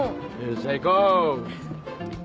じゃあ行こう！